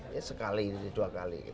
ya sekali dua kali